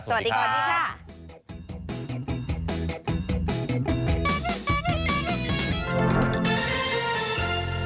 สวัสดีค่ะ